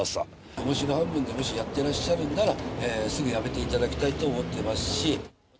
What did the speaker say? おもしろ半分でもしやってらっしゃるんなら、すぐやめていただきたいと思ってますし。